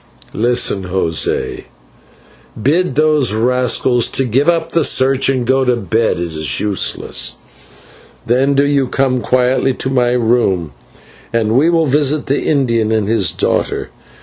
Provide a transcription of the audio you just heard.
"Listen, José, bid those rascals to give up the search and go to bed, it is useless. Then do you come quietly to my room, and we will visit the Indian and his daughter.